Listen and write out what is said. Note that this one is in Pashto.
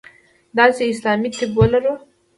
دا چې اسلامي طب ولرو.